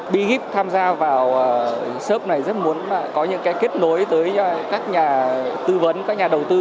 bih tham gia vào shop này rất muốn có những cái kết nối tới các nhà tư vấn các nhà đầu tư